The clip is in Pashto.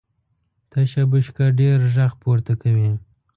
تشه بشکه ډېر غږ پورته کوي .